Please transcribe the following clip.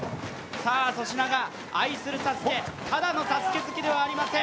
粗品が愛するＳＡＳＵＫＥ、ただのＳＡＳＵＫＥ好きではありません。